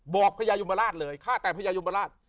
บอกพระยายุมาราชเลยข้าแต่พระยายุมาราช